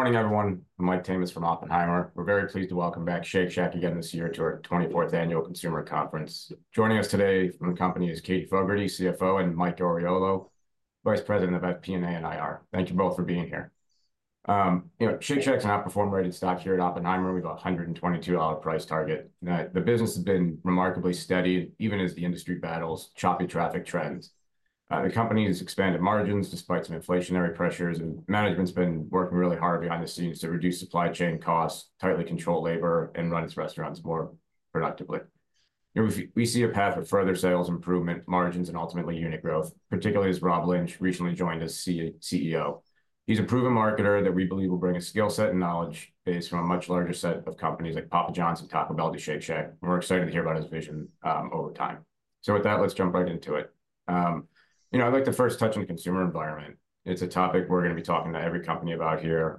Good morning, everyone. Mike Tamas is from Oppenheimer. We're very pleased to welcome back Shake Shack again this year to our 24th Annual Consumer Conference. Joining us today from the company is Katie Fogertey, CFO, and Mike Oriolo, Vice President of FP&A and IR. Thank you both for being here. You know, Shake Shack's an Outperform rated stock here at Oppenheimer. We have a $122 price target. The business has been remarkably steady, even as the industry battles choppy traffic trends. The company has expanded margins despite some inflationary pressures, and management's been working really hard behind the scenes to reduce supply chain costs, tightly control labor, and run its restaurants more productively. We see a path of further sales improvement, margins, and ultimately unit growth, particularly as Rob Lynch recently joined as CEO. He's a proven marketer that we believe will bring a skill set and knowledge base from a much larger set of companies like Papa John's and Taco Bell to Shake Shack. We're excited to hear about his vision over time. So with that, let's jump right into it. You know, I'd like to first touch on the consumer environment. It's a topic we're going to be talking to every company about here,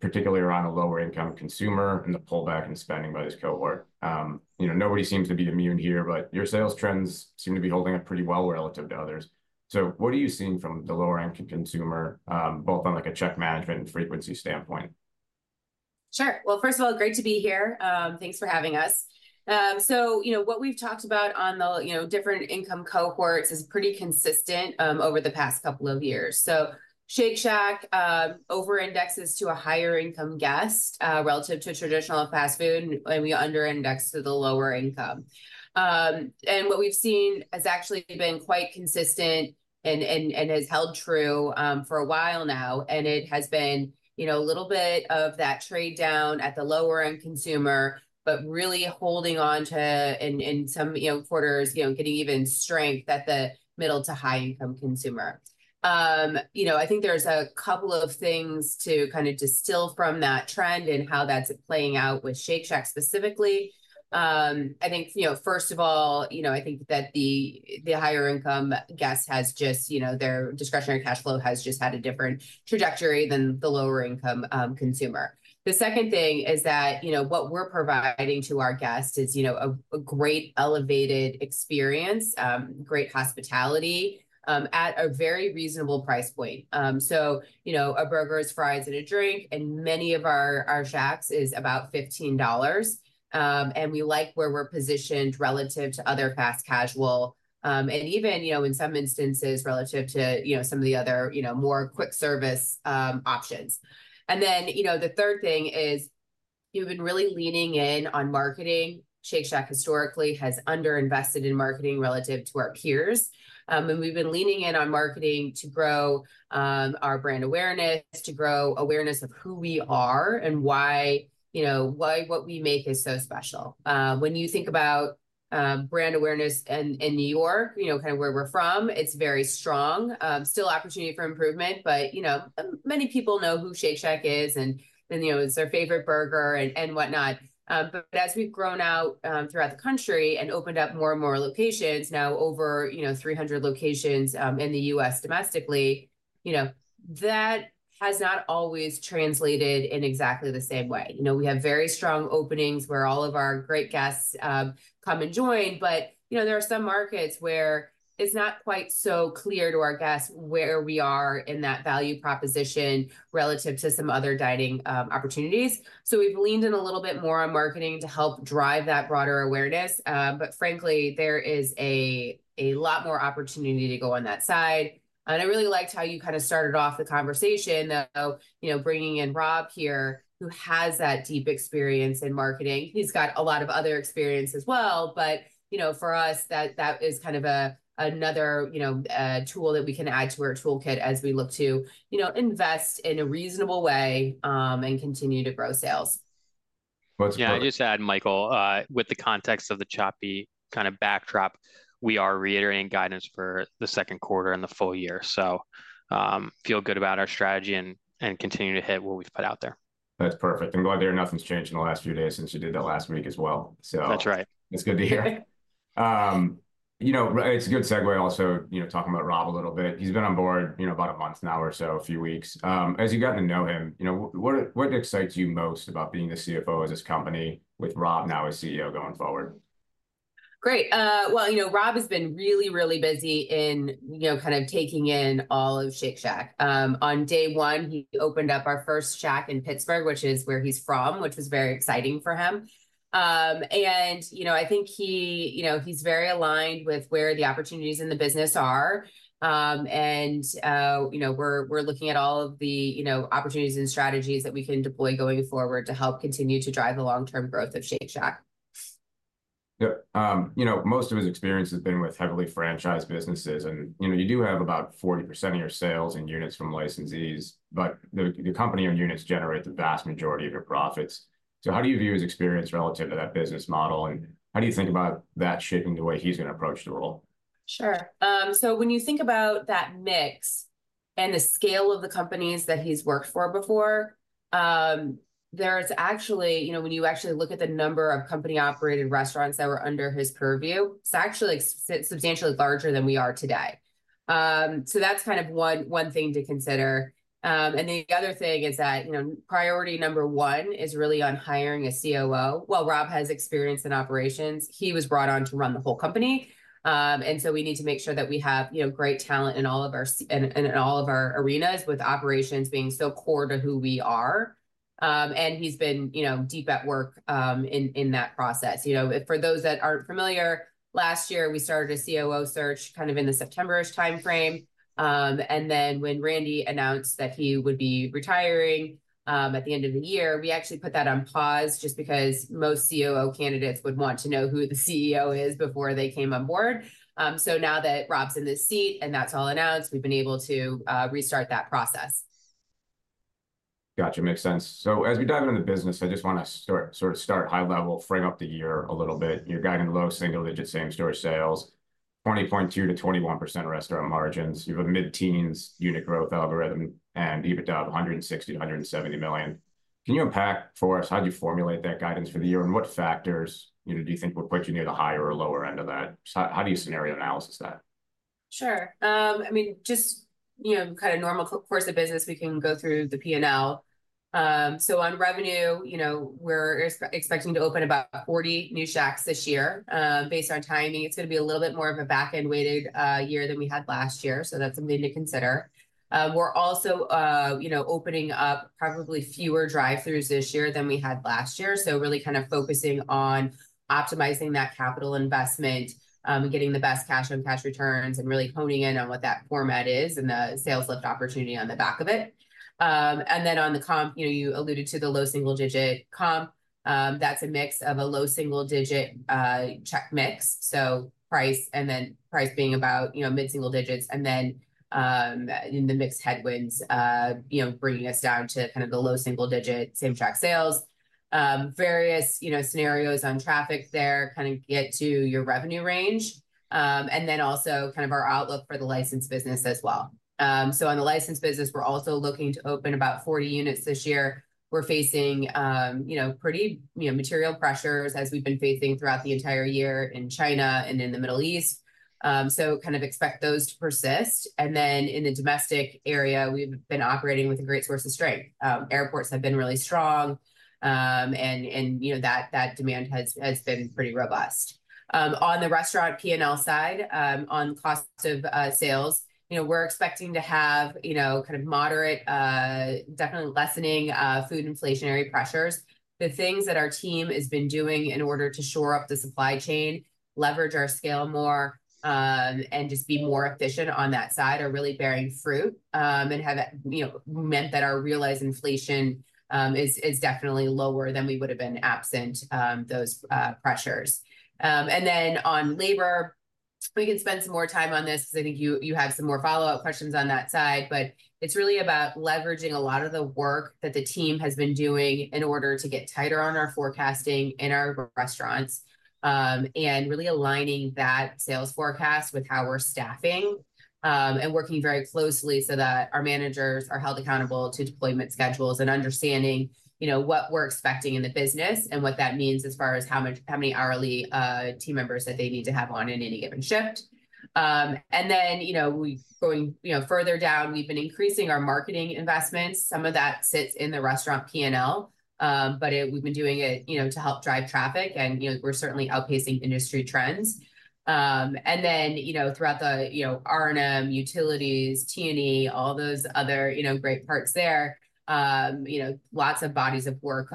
particularly around the lower-income consumer and the pullback in spending by this cohort. You know, nobody seems to be immune here, but your sales trends seem to be holding up pretty well relative to others. So what are you seeing from the lower-income consumer, both on like a check management and frequency standpoint? Sure. Well, first of all, great to be here. Thanks for having us. So you know what we've talked about on the, you know, different income cohorts is pretty consistent over the past couple of years. So Shake Shack over-indexes to a higher-income guest relative to traditional fast food, and we under-index to the lower income. And what we've seen has actually been quite consistent and has held true for a while now. And it has been, you know, a little bit of that trade down at the lower-end consumer, but really holding on to in some, you know, quarters, you know, getting even strength at the middle to high-income consumer. You know, I think there's a couple of things to kind of distill from that trend and how that's playing out with Shake Shack specifically. I think, you know, first of all, you know, I think that the higher-income guest has just, you know, their discretionary cash flow has just had a different trajectory than the lower-income consumer. The second thing is that, you know, what we're providing to our guest is, you know, a great elevated experience, great hospitality at a very reasonable price point. So, you know, a burger is fries and a drink, and many of our shacks is about $15. And we like where we're positioned relative to other fast casual and even, you know, in some instances relative to, you know, some of the other, you know, more quick service options. And then, you know, the third thing is we've been really leaning in on marketing. Shake Shack historically has under-invested in marketing relative to our peers. And we've been leaning in on marketing to grow our brand awareness, to grow awareness of who we are and why, you know, why what we make is so special. When you think about brand awareness in New York, you know, kind of where we're from, it's very strong. Still opportunity for improvement, but, you know, many people know who Shake Shack is and, you know, it's their favorite burger and whatnot. But as we've grown out throughout the country and opened up more and more locations, now over, you know, 300 locations in the U.S. domestically, you know, that has not always translated in exactly the same way. You know, we have very strong openings where all of our great guests come and join, but, you know, there are some markets where it's not quite so clear to our guests where we are in that value proposition relative to some other dining opportunities. So we've leaned in a little bit more on marketing to help drive that broader awareness. But frankly, there is a lot more opportunity to go on that side. And I really liked how you kind of started off the conversation, though, you know, bringing in Rob here, who has that deep experience in marketing. He's got a lot of other experience as well. But, you know, for us, that that is kind of another, you know, tool that we can add to our toolkit as we look to, you know, invest in a reasonable way and continue to grow sales. Yeah, I just add, Michael, with the context of the choppy kind of backdrop, we are reiterating guidance for the second quarter and the full year. Feel good about our strategy and continue to hit what we've put out there. That's perfect. And glad to hear nothing's changed in the last few days since you did that last week as well. That's right. That's good to hear. You know, it's a good segue also, you know, talking about Rob a little bit. He's been on board, you know, about a month now or so, a few weeks. As you got to know him, you know, what excites you most about being the CFO of this company with Rob now as CEO going forward? Great. Well, you know, Rob has been really, really busy in, you know, kind of taking in all of Shake Shack. On day one, he opened up our first shack in Pittsburgh, which is where he's from, which was very exciting for him. And, you know, I think he, you know, he's very aligned with where the opportunities in the business are. And, you know, we're looking at all of the, you know, opportunities and strategies that we can deploy going forward to help continue to drive the long-term growth of Shake Shack. Yeah. You know, most of his experience has been with heavily franchised businesses. You know, you do have about 40% of your sales and units from licensees, but the company owned units generate the vast majority of your profits. How do you view his experience relative to that business model? How do you think about that shaping the way he's going to approach the role? Sure. So when you think about that mix and the scale of the companies that he's worked for before, there's actually, you know, when you actually look at the number of company-operated restaurants that were under his purview, it's actually substantially larger than we are today. So that's kind of one thing to consider. And the other thing is that, you know, priority number one is really on hiring a COO. While Rob has experience in operations, he was brought on to run the whole company. And so we need to make sure that we have, you know, great talent in all of our arenas with operations being so core to who we are. And he's been, you know, deep at work in that process. You know, for those that aren't familiar, last year, we started a COO search kind of in the September-ish timeframe. And then when Randy announced that he would be retiring at the end of the year, we actually put that on pause just because most COO candidates would want to know who the CEO is before they came on board. So now that Rob's in the seat and that's all announced, we've been able to restart that process. Gotcha. Makes sense. So as we dive into the business, I just want to sort of start high level, frame up the year a little bit. You're guiding low single-digit same-store sales, 20.2%-21% restaurant margins. You have a mid-teens unit growth algorithm and EBITDA of $160 million-$170 million. Can you unpack for us how did you formulate that guidance for the year and what factors, you know, do you think will put you near the higher or lower end of that? How do you scenario analysis that? Sure. I mean, just, you know, kind of normal course of business, we can go through the P&L. So on revenue, you know, we're expecting to open about 40 new shacks this year. Based on timing, it's going to be a little bit more of a back-end weighted year than we had last year. So that's something to consider. We're also, you know, opening up probably fewer drive-throughs this year than we had last year. So really kind of focusing on optimizing that capital investment and getting the best cash-on-cash returns and really honing in on what that format is and the sales lift opportunity on the back of it. And then on the comp, you know, you alluded to the low single-digit comp. That's a mix of a low single-digit check mix. So price and then price being about, you know, mid-single digits. And then in the mix headwinds, you know, bringing us down to kind of the low single-digit same-shack sales. Various, you know, scenarios on traffic there kind of get to your revenue range. And then also kind of our outlook for the licensed business as well. So on the licensed business, we're also looking to open about 40 units this year. We're facing, you know, pretty, you know, material pressures as we've been facing throughout the entire year in China and in the Middle East. So kind of expect those to persist. And then in the domestic area, we've been operating with a great source of strength. Airports have been really strong. And, you know, that demand has been pretty robust. On the restaurant P&L side, on cost of sales, you know, we're expecting to have, you know, kind of moderate, definitely lessening food inflationary pressures. The things that our team has been doing in order to shore up the supply chain, leverage our scale more, and just be more efficient on that side are really bearing fruit and have, you know, meant that our realized inflation is definitely lower than we would have been absent those pressures. And then on labor, we can spend some more time on this because I think you have some more follow-up questions on that side, but it's really about leveraging a lot of the work that the team has been doing in order to get tighter on our forecasting in our restaurants and really aligning that sales forecast with how we're staffing and working very closely so that our managers are held accountable to deployment schedules and understanding, you know, what we're expecting in the business and what that means as far as how many hourly team members that they need to have on in any given shift. And then, you know, going, you know, further down, we've been increasing our marketing investments. Some of that sits in the restaurant P&L, but we've been doing it, you know, to help drive traffic. And, you know, we're certainly outpacing industry trends. And then, you know, throughout the, you know, R&M, utilities, T&E, all those other, you know, great parts there, you know, lots of bodies of work,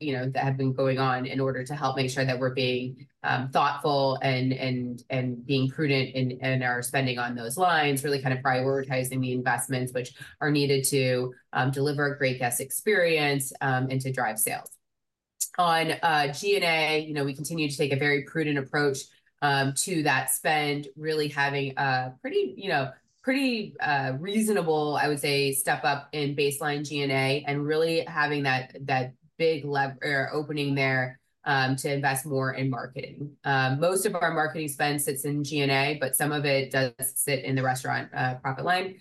you know, that have been going on in order to help make sure that we're being thoughtful and being prudent in our spending on those lines, really kind of prioritizing the investments which are needed to deliver a great guest experience and to drive sales. On G&A, you know, we continue to take a very prudent approach to that spend, really having a pretty, you know, pretty reasonable, I would say, step up in baseline G&A and really having that big lever or opening there to invest more in marketing. Most of our marketing spend sits in G&A, but some of it does sit in the restaurant profit line.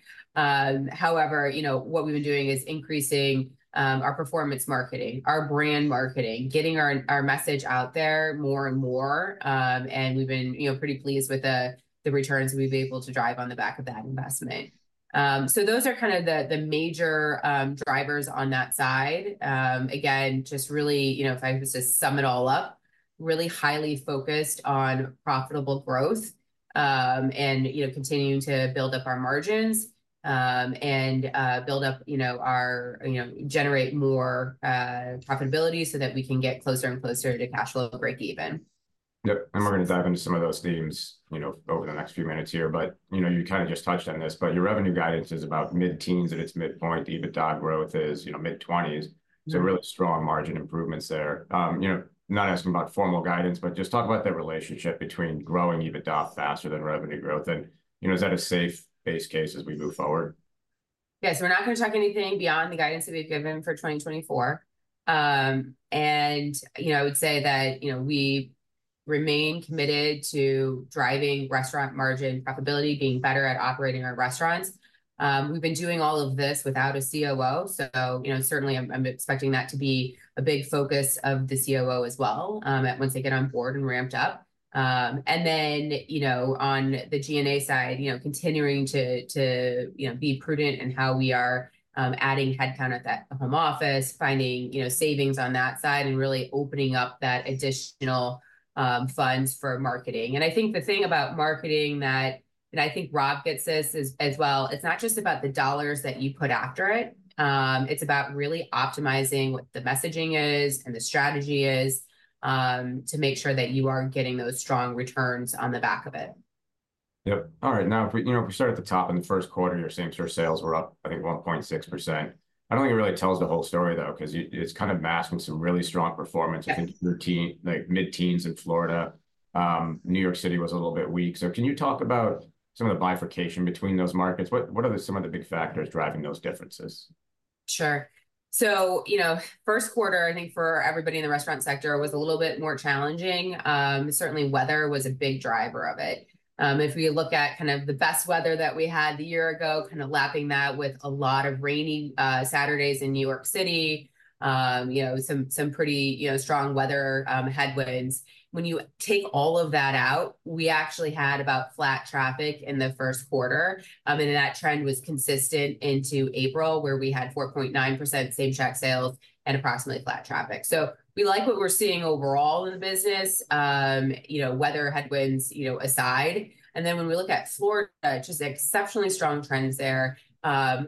However, you know, what we've been doing is increasing our performance marketing, our brand marketing, getting our message out there more and more. And we've been, you know, pretty pleased with the returns we've been able to drive on the back of that investment. So those are kind of the major drivers on that side. Again, just really, you know, if I was to sum it all up, really highly focused on profitable growth and, you know, continuing to build up our margins and build up, you know, our, you know, generate more profitability so that we can get closer and closer to cash flow break-even. Yep. And we're going to dive into some of those themes, you know, over the next few minutes here. But, you know, you kind of just touched on this, but your revenue guidance is about mid-teens at its midpoint. EBITDA growth is, you know, mid-20s. So really strong margin improvements there. You know, not asking about formal guidance, but just talk about the relationship between growing EBITDA faster than revenue growth. And, you know, is that a safe base case as we move forward? Yes. We're not going to talk anything beyond the guidance that we've given for 2024. And, you know, I would say that, you know, we remain committed to driving restaurant margin profitability, being better at operating our restaurants. We've been doing all of this without a COO. So, you know, certainly I'm expecting that to be a big focus of the COO as well once they get on board and ramped up. And then, you know, on the G&A side, you know, continuing to, you know, be prudent in how we are adding headcount at that home office, finding, you know, savings on that side and really opening up that additional funds for marketing. And I think the thing about marketing that, and I think Rob gets this as well, it's not just about the dollars that you put after it. It's about really optimizing what the messaging is and the strategy is to make sure that you are getting those strong returns on the back of it. Yep. All right. Now, you know, if we start at the top in the first quarter, your same-store sales were up, I think, 1.6%. I don't think it really tells the whole story, though, because it's kind of masking some really strong performance. I think your team, like mid-teens in Florida, New York City was a little bit weak. So can you talk about some of the bifurcation between those markets? What are some of the big factors driving those differences? Sure. So, you know, first quarter, I think for everybody in the restaurant sector was a little bit more challenging. Certainly, weather was a big driver of it. If we look at kind of the best weather that we had the year ago, kind of lapping that with a lot of rainy Saturdays in New York City, you know, some pretty, you know, strong weather headwinds. When you take all of that out, we actually had about flat traffic in the first quarter. And that trend was consistent into April, where we had 4.9% same-shack sales and approximately flat traffic. So we like what we're seeing overall in the business, you know, weather headwinds, you know, aside. And then when we look at Florida, just exceptionally strong trends there.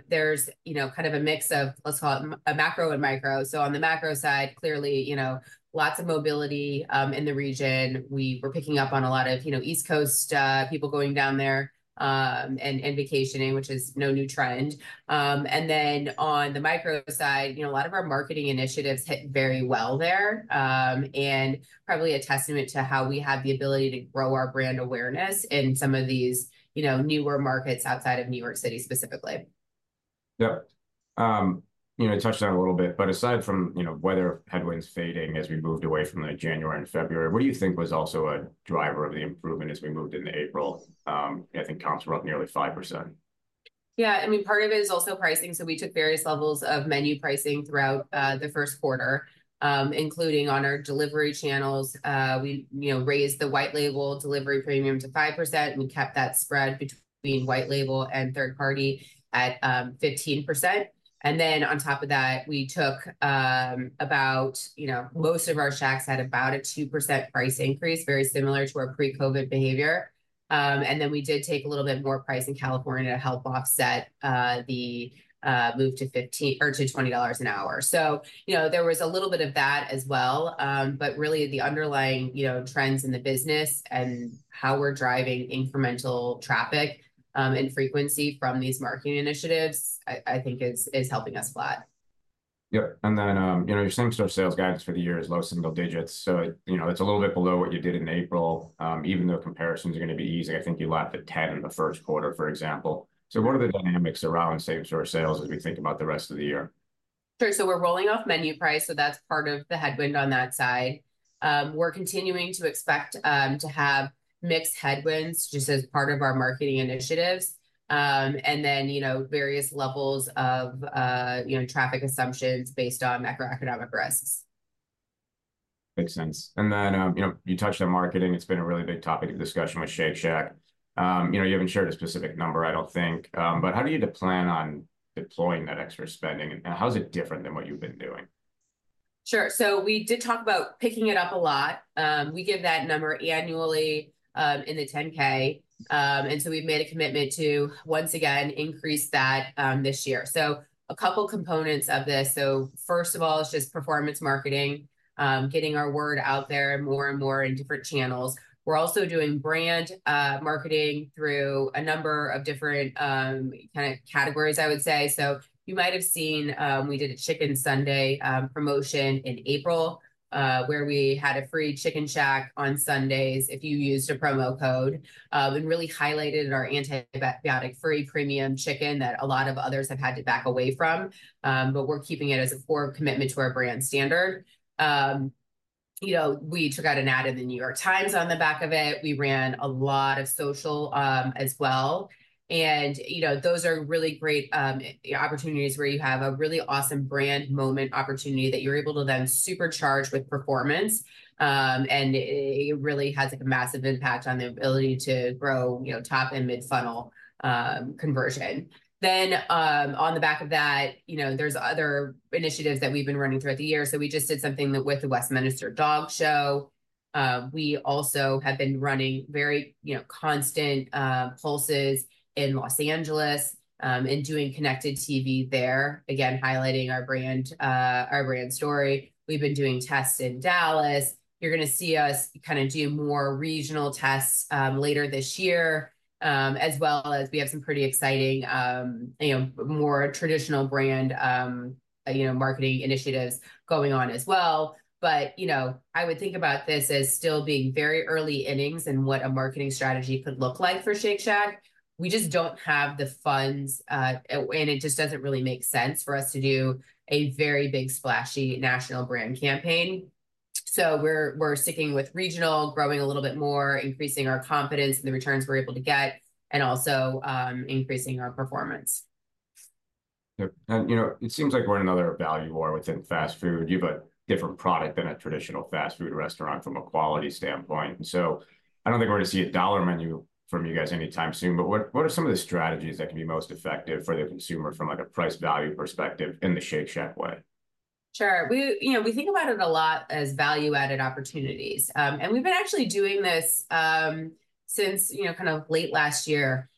There's, you know, kind of a mix of, let's call it a macro and micro. So on the macro side, clearly, you know, lots of mobility in the region. We were picking up on a lot of, you know, East Coast people going down there and vacationing, which is no new trend. Then on the micro side, you know, a lot of our marketing initiatives hit very well there and probably a testament to how we have the ability to grow our brand awareness in some of these, you know, newer markets outside of New York City specifically. Yeah. You know, touched on it a little bit, but aside from, you know, weather headwinds fading as we moved away from the January and February, what do you think was also a driver of the improvement as we moved into April? I think comps were up nearly 5%. Yeah. I mean, part of it is also pricing. So we took various levels of menu pricing throughout the first quarter, including on our delivery channels. We, you know, raised the white label delivery premium to 5%. We kept that spread between white label and third party at 15%. And then on top of that, we took about, you know, most of our shacks had about a 2% price increase, very similar to our pre-COVID behavior. And then we did take a little bit more price in California to help offset the move to $15 or to $20 an hour. So, you know, there was a little bit of that as well. But really the underlying, you know, trends in the business and how we're driving incremental traffic and frequency from these marketing initiatives, I think is helping us a lot. Yep. Then, you know, your same-store sales guidance for the year is low single digits. So, you know, it's a little bit below what you did in April, even though comparisons are going to be easy. I think you lapped at 10 in the first quarter, for example. So what are the dynamics around same-store sales as we think about the rest of the year? So we're rolling off menu price. So that's part of the headwind on that side. We're continuing to expect to have mixed headwinds just as part of our marketing initiatives. And then, you know, various levels of, you know, traffic assumptions based on macroeconomic risks. Makes sense. And then, you know, you touched on marketing. It's been a really big topic of discussion with Shake Shack. You know, you haven't shared a specific number, I don't think. But how do you plan on deploying that extra spending and how is it different than what you've been doing? Sure. So we did talk about picking it up a lot. We give that number annually in the 10K. And so we've made a commitment to, once again, increase that this year. So a couple components of this. So first of all, it's just performance marketing, getting our word out there more and more in different channels. We're also doing brand marketing through a number of different kind of categories, I would say. So you might have seen we did a Chicken Sunday promotion in April where we had a free Chicken Shack on Sundays if you used a promo code and really highlighted our antibiotic-free premium chicken that a lot of others have had to back away from. But we're keeping it as a core commitment to our brand standard. You know, we took out an ad in the New York Times on the back of it. We ran a lot of social as well. And, you know, those are really great opportunities where you have a really awesome brand moment opportunity that you're able to then supercharge with performance. And it really has like a massive impact on the ability to grow, you know, top and mid-funnel conversion. Then on the back of that, you know, there's other initiatives that we've been running throughout the year. So we just did something with the Westminster Dog Show. We also have been running very, you know, constant pulses in Los Angeles and doing connected TV there, again, highlighting our brand, our brand story. We've been doing tests in Dallas. You're going to see us kind of do more regional tests later this year as well as we have some pretty exciting, you know, more traditional brand, you know, marketing initiatives going on as well. But, you know, I would think about this as still being very early innings and what a marketing strategy could look like for Shake Shack. We just don't have the funds and it just doesn't really make sense for us to do a very big splashy national brand campaign. So we're sticking with regional, growing a little bit more, increasing our confidence in the returns we're able to get and also increasing our performance. Yep. And, you know, it seems like we're in another value war within fast food. You have a different product than a traditional fast food restaurant from a quality standpoint. And so I don't think we're going to see a dollar menu from you guys anytime soon. But what are some of the strategies that can be most effective for the consumer from like a price value perspective in the Shake Shack way? Sure. We, you know, we think about it a lot as value-added opportunities. And we've been actually doing this since, you know, kind of late last year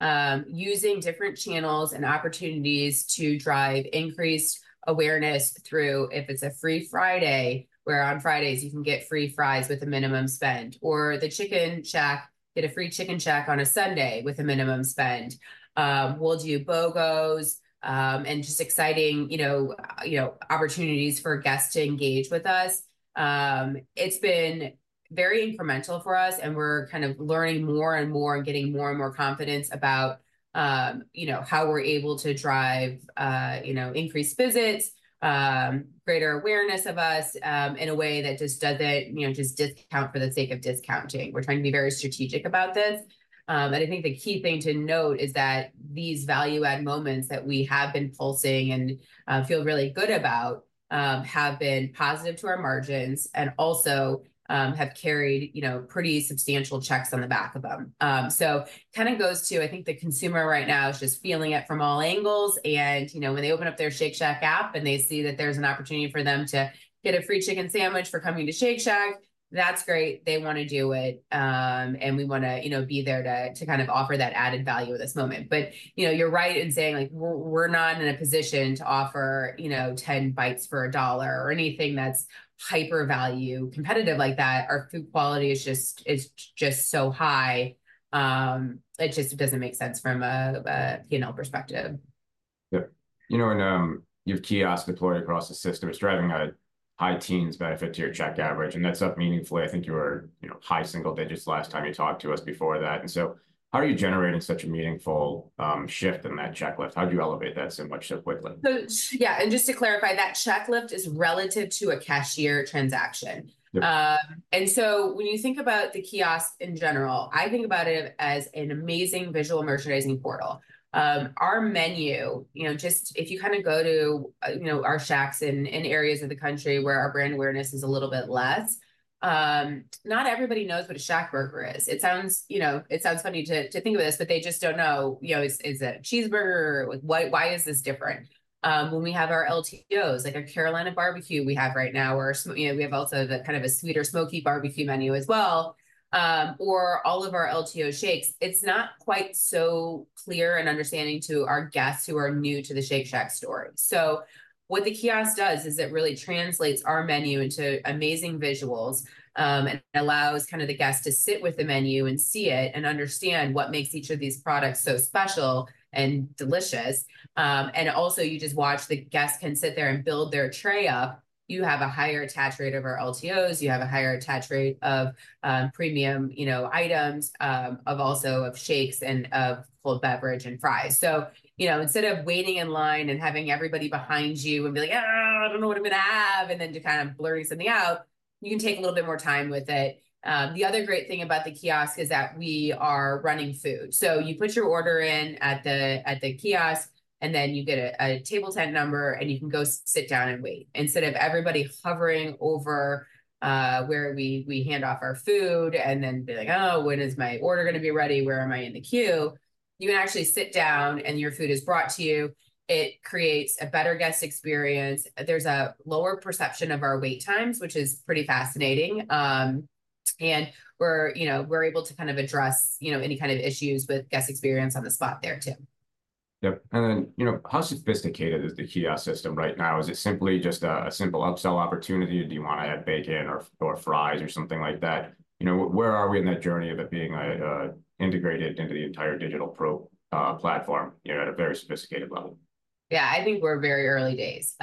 using different channels and opportunities to drive increased awareness through if it's a free Friday where on Fridays you can get free fries with a minimum spend or the Chicken Shack, get a free Chicken Shack on a Sunday with a minimum spend. We'll do BOGOs and just exciting, you know, you know, opportunities for guests to engage with us. It's been very incremental for us and we're kind of learning more and more and getting more and more confidence about, you know, how we're able to drive, you know, increased visits, greater awareness of us in a way that just doesn't, you know, just discount for the sake of discounting. We're trying to be very strategic about this. And I think the key thing to note is that these value-add moments that we have been pulsing and feel really good about have been positive to our margins and also have carried, you know, pretty substantial checks on the back of them. So kind of goes to, I think the consumer right now is just feeling it from all angles. And, you know, when they open up their Shake Shack app and they see that there's an opportunity for them to get a free chicken sandwich for coming to Shake Shack, that's great. They want to do it. And we want to, you know, be there to kind of offer that added value at this moment. But, you know, you're right in saying like we're not in a position to offer, you know, 10 bites for a dollar or anything that's hyper value competitive like that. Our food quality is just so high. It just doesn't make sense from a P&L perspective. Yep. You know, and you've kiosk deployed across the system. It's driving a high teens benefit to your check average. And that's up meaningfully. I think you were, you know, high single digits last time you talked to us before that. And so how are you generating such a meaningful shift in that check average? How do you elevate that so much so quickly? So, yeah. And just to clarify, that check lift is relative to a cashier transaction. And so when you think about the kiosk in general, I think about it as an amazing visual merchandising portal. Our menu, you know, just if you kind of go to, you know, our Shacks in areas of the country where our brand awareness is a little bit less, not everybody knows what a ShackBurger is. It sounds, you know, it sounds funny to think of this, but they just don't know, you know, is it a cheeseburger or why is this different? When we have our LTOs, like our Carolina barbecue we have right now, or, you know, we have also the kind of a sweeter smoky barbecue menu as well, or all of our LTO shakes, it's not quite so clear and understanding to our guests who are new to the Shake Shack story. So what the kiosk does is it really translates our menu into amazing visuals and allows kind of the guest to sit with the menu and see it and understand what makes each of these products so special and delicious. And also you just watch the guests can sit there and build their tray up. You have a higher attach rate of our LTOs. You have a higher attach rate of premium, you know, items of also of shakes and of cold beverage and fries. So, you know, instead of waiting in line and having everybody behind you Then to kind of blurt something out, you can take a little bit more time with it. The other great thing about the kiosk is that we are running food. So you put your order in at the kiosk and then you get a table tent number and you can go sit down and wait. Instead of everybody hovering over where we hand off our food and then be like, "Oh, when is my order going to be ready? Where am I in the queue?" You can actually sit down and your food is brought to you. It creates a better guest experience. There's a lower perception of our wait times, which is pretty fascinating. We're, you know, we're able to kind of address, you know, any kind of issues with guest experience on the spot there too. Yep. And then, you know, how sophisticated is the kiosk system right now? Is it simply just a simple upsell opportunity? Do you want to add bacon or fries or something like that? You know, where are we in that journey of it being integrated into the entire digital platform, you know, at a very sophisticated level? Yeah, I think we're very early days.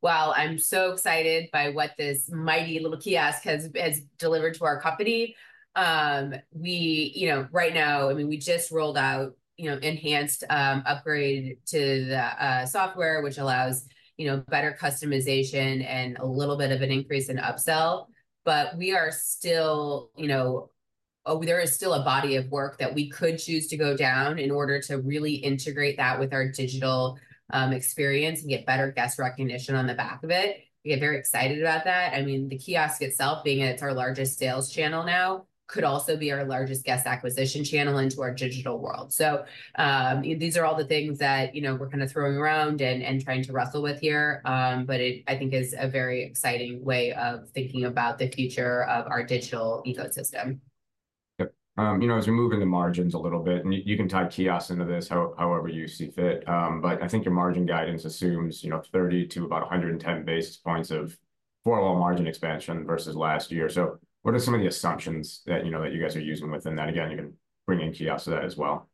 While I'm so excited by what this mighty little kiosk has delivered to our company, we, you know, right now, I mean, we just rolled out, you know, enhanced upgrade to the software, which allows, you know, better customization and a little bit of an increase in upsell. But we are still, you know, there is still a body of work that we could choose to go down in order to really integrate that with our digital experience and get better guest recognition on the back of it. We get very excited about that. I mean, the kiosk itself, being that it's our largest sales channel now, could also be our largest guest acquisition channel into our digital world. So these are all the things that, you know, we're kind of throwing around and trying to wrestle with here. But it, I think, is a very exciting way of thinking about the future of our digital ecosystem. Yep. You know, as we move into margins a little bit, and you can tie kiosk into this however you see fit. But I think your margin guidance assumes, you know, 30 to about 110 basis points of four-wall margin expansion versus last year. So what are some of the assumptions that, you know, that you guys are using within that? Again, you can bring in kiosk to that as well.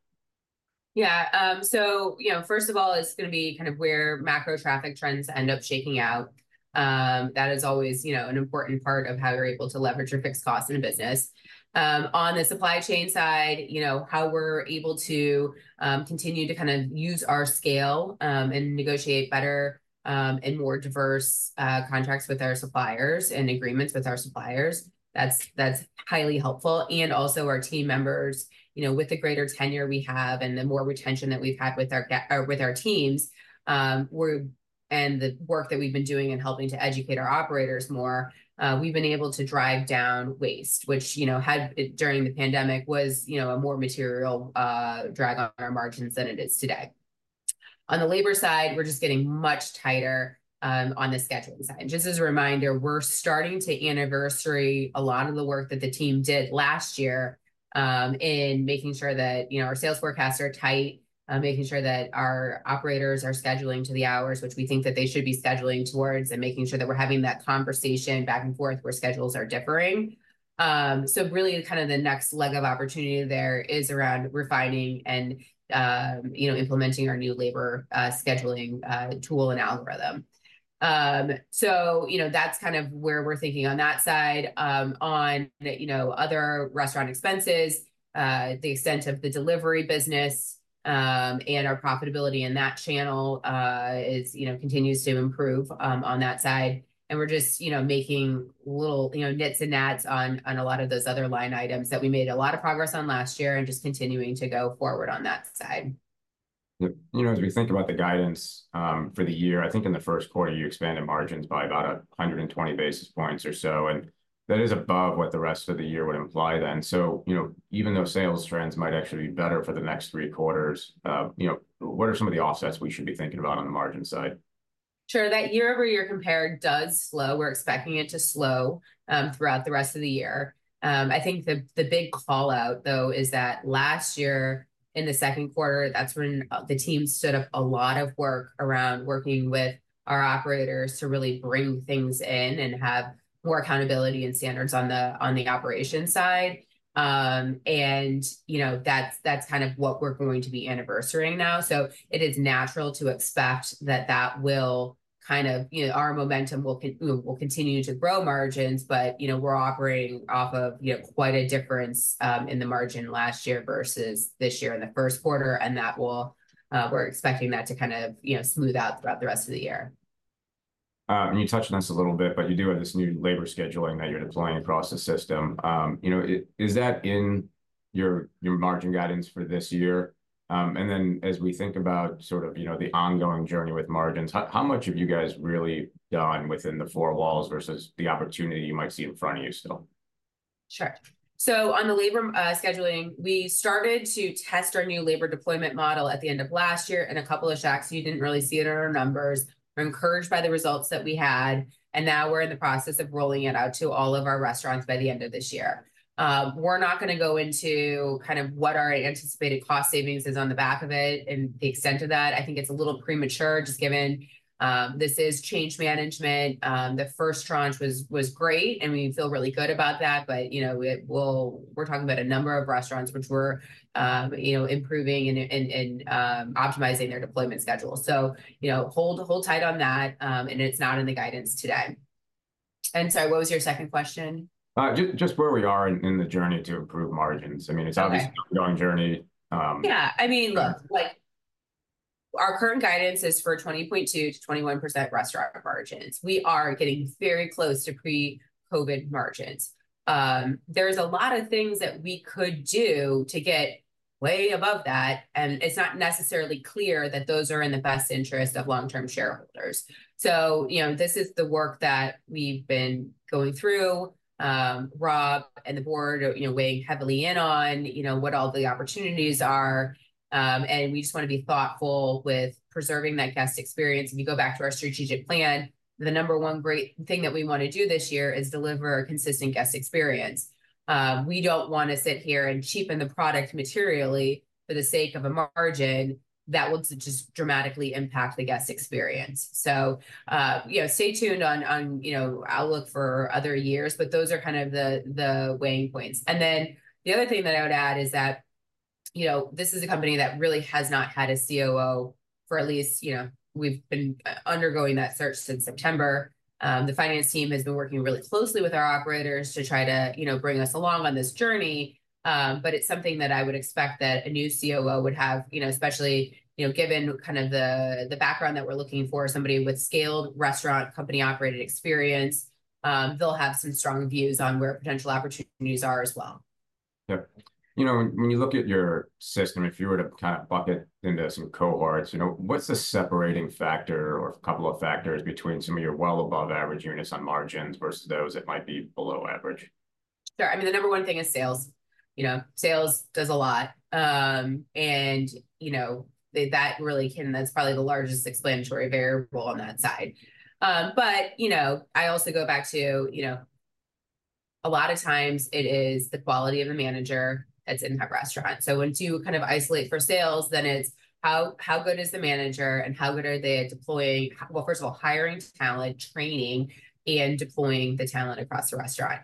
Yeah. So, you know, first of all, it's going to be kind of where macro traffic trends end up shaking out. That is always, you know, an important part of how you're able to leverage your fixed costs in a business. On the supply chain side, you know, how we're able to continue to kind of use our scale and negotiate better and more diverse contracts with our suppliers and agreements with our suppliers. That's highly helpful. And also our team members, you know, with the greater tenure we have and the more retention that we've had with our teams, we're and the work that we've been doing and helping to educate our operators more, we've been able to drive down waste, which, you know, had during the pandemic was, you know, a more material drag on our margins than it is today. On the labor side, we're just getting much tighter on the scheduling side. Just as a reminder, we're starting to anniversary a lot of the work that the team did last year in making sure that, you know, our sales forecasts are tight, making sure that our operators are scheduling to the hours, which we think that they should be scheduling towards and making sure that we're having that conversation back and forth where schedules are differing. So really kind of the next leg of opportunity there is around refining and, you know, implementing our new labor scheduling tool and algorithm. So, you know, that's kind of where we're thinking on that side. On, you know, other restaurant expenses, the extent of the delivery business and our profitability in that channel is, you know, continues to improve on that side. We're just, you know, making little, you know, nits and nats on a lot of those other line items that we made a lot of progress on last year and just continuing to go forward on that side. Yep. You know, as we think about the guidance for the year, I think in the first quarter, you expanded margins by about 120 basis points or so. That is above what the rest of the year would imply then. You know, even though sales trends might actually be better for the next three quarters, you know, what are some of the offsets we should be thinking about on the margin side? Sure. That year-over-year comp does slow. We're expecting it to slow throughout the rest of the year. I think the big callout though is that last year in the second quarter, that's when the team stood up a lot of work around working with our operators to really bring things in and have more accountability and standards on the operation side. And, you know, that's kind of what we're going to be anniversarying now. So it is natural to expect that that will kind of, you know, our momentum will continue to grow margins. But, you know, we're operating off of, you know, quite a difference in the margin last year versus this year in the first quarter. And that will, we're expecting that to kind of, you know, smooth out throughout the rest of the year. You touched on this a little bit, but you do have this new labor scheduling that you're deploying across the system. You know, is that in your margin guidance for this year? And then as we think about sort of, you know, the ongoing journey with margins, how much have you guys really done within the four walls versus the opportunity you might see in front of you still? Sure. So on the labor scheduling, we started to test our new labor deployment model at the end of last year in a couple of shacks. You didn't really see it in our numbers. We're encouraged by the results that we had. And now we're in the process of rolling it out to all of our restaurants by the end of this year. We're not going to go into kind of what our anticipated cost savings is on the back of it and the extent of that. I think it's a little premature just given this is change management. The first tranche was great and we feel really good about that. But, you know, we're talking about a number of restaurants which we're, you know, improving and optimizing their deployment schedule. So, you know, hold tight on that and it's not in the guidance today. Sorry, what was your second question? Just where we are in the journey to improve margins. I mean, it's obviously an ongoing journey. Yeah. I mean, look, like our current guidance is for 20.2%-21% restaurant margins. We are getting very close to pre-COVID margins. There's a lot of things that we could do to get way above that. And it's not necessarily clear that those are in the best interest of long-term shareholders. So, you know, this is the work that we've been going through, Rob and the board, you know, weighing heavily in on, you know, what all the opportunities are. And we just want to be thoughtful with preserving that guest experience. If you go back to our strategic plan, the number one great thing that we want to do this year is deliver a consistent guest experience. We don't want to sit here and cheapen the product materially for the sake of a margin that will just dramatically impact the guest experience. So, you know, stay tuned on, you know, outlook for other years. But those are kind of the weighing points. And then the other thing that I would add is that, you know, this is a company that really has not had a COO for at least, you know, we've been undergoing that search since September. The finance team has been working really closely with our operators to try to, you know, bring us along on this journey. But it's something that I would expect that a new COO would have, you know, especially, you know, given kind of the background that we're looking for, somebody with scaled restaurant company operated experience, they'll have some strong views on where potential opportunities are as well. Yep. You know, when you look at your system, if you were to kind of bucket into some cohorts, you know, what's the separating factor or a couple of factors between some of your well above average units on margins versus those that might be below average? Sure. I mean, the number one thing is sales. You know, sales does a lot. And, you know, that really can, that's probably the largest explanatory variable on that side. But, you know, I also go back to, you know, a lot of times it is the quality of the manager that's in that restaurant. So once you kind of isolate for sales, then it's how good is the manager and how good are they at deploying, well, first of all, hiring talent, training, and deploying the talent across the restaurant.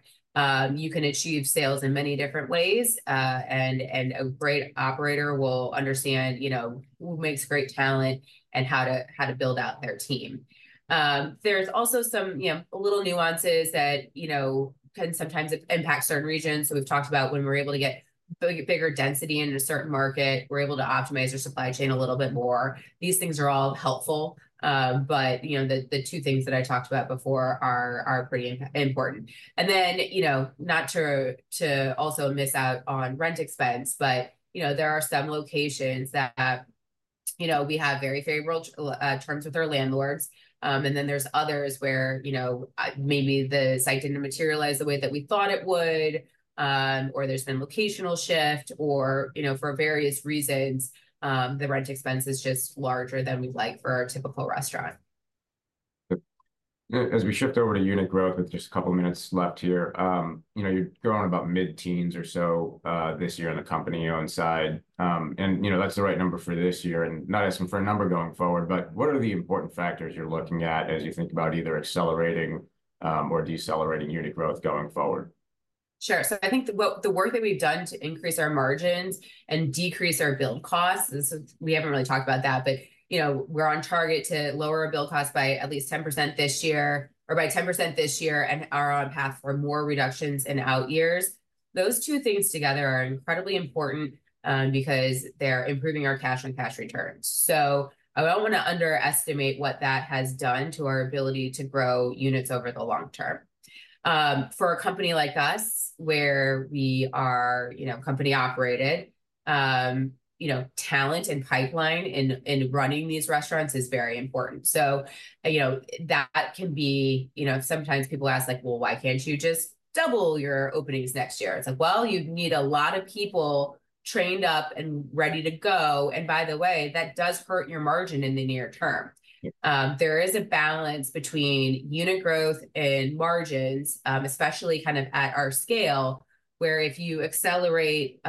You can achieve sales in many different ways. And a great operator will understand, you know, who makes great talent and how to build out their team. There's also some, you know, a little nuances that, you know, can sometimes impact certain regions. So we've talked about when we're able to get bigger density in a certain market, we're able to optimize our supply chain a little bit more. These things are all helpful. But, you know, the two things that I talked about before are pretty important. And then, you know, not to also miss out on rent expense, but, you know, there are some locations that, you know, we have very favorable terms with our landlords. And then there's others where, you know, maybe the site didn't materialize the way that we thought it would, or there's been locational shift or, you know, for various reasons, the rent expense is just larger than we'd like for our typical restaurant. As we shift over to unit growth, with just a couple of minutes left here, you know, you're growing about mid-teens or so this year on the company-owned side. And, you know, that's the right number for this year. And not asking for a number going forward, but what are the important factors you're looking at as you think about either accelerating or decelerating unit growth going forward? Sure. So I think the work that we've done to increase our margins and decrease our build costs, we haven't really talked about that, but, you know, we're on target to lower our build costs by at least 10% this year or by 10% this year and are on path for more reductions in out years. Those two things together are incredibly important because they're improving our cash on cash returns. So I don't want to underestimate what that has done to our ability to grow units over the long term. For a company like us, where we are, you know, company operated, you know, talent and pipeline in running these restaurants is very important. So, you know, that can be, you know, sometimes people ask like, well, why can't you just double your openings next year? It's like, well, you need a lot of people trained up and ready to go. And by the way, that does hurt your margin in the near term. There is a balance between unit growth and margins, especially kind of at our scale, where if you accelerate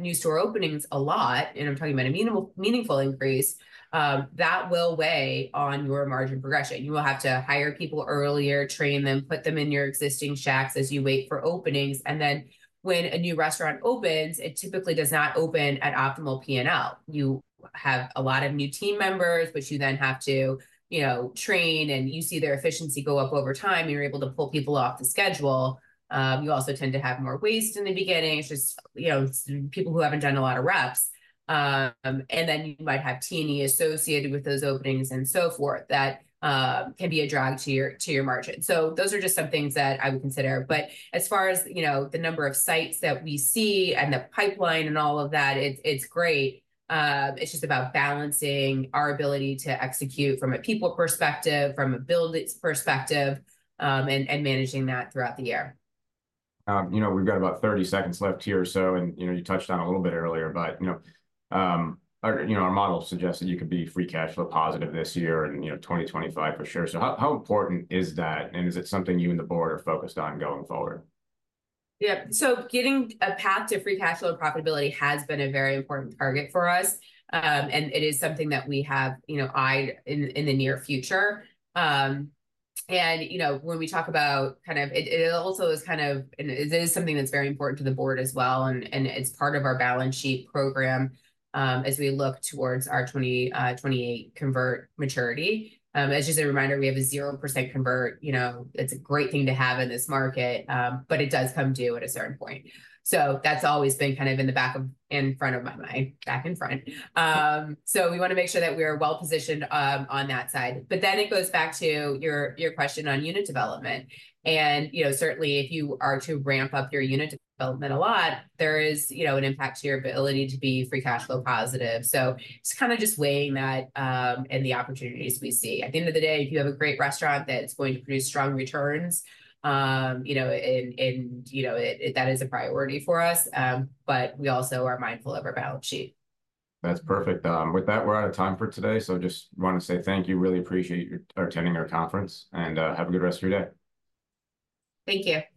new store openings a lot, and I'm talking about a meaningful increase, that will weigh on your margin progression. You will have to hire people earlier, train them, put them in your existing shacks as you wait for openings. And then when a new restaurant opens, it typically does not open at optimal P&L. You have a lot of new team members, which you then have to, you know, train and you see their efficiency go up over time. You're able to pull people off the schedule. You also tend to have more waste in the beginning. It's just, you know, people who haven't done a lot of reps. And then you might have T&E associated with those openings and so forth that can be a drag to your margin. So those are just some things that I would consider. But as far as, you know, the number of sites that we see and the pipeline and all of that, it's great. It's just about balancing our ability to execute from a people perspective, from a build perspective, and managing that throughout the year. You know, we've got about 30 seconds left here or so. And, you know, you touched on a little bit earlier, but, you know, our model suggests that you could be free cash flow positive this year and, you know, 2025 for sure. So how important is that? And is it something you and the board are focused on going forward? Yep. So getting a path to free cash flow profitability has been a very important target for us. And it is something that we have, you know, eyed in the near future. And, you know, when we talk about kind of, it also is kind of, it is something that's very important to the board as well. And it's part of our balance sheet program as we look towards our 2028 convert maturity. As just a reminder, we have a 0% convert. You know, it's a great thing to have in this market, but it does come due at a certain point. So that's always been kind of in the back of, in front of my mind, back in front. So we want to make sure that we are well positioned on that side. But then it goes back to your question on unit development. You know, certainly if you are to ramp up your unit development a lot, there is, you know, an impact to your ability to be free cash flow positive. So it's kind of just weighing that and the opportunities we see. At the end of the day, if you have a great restaurant that's going to produce strong returns, you know, and, you know, that is a priority for us. But we also are mindful of our balance sheet. That's perfect. With that, we're out of time for today. So just want to say thank you. Really appreciate your attending our conference and have a good rest of your day. Thank you.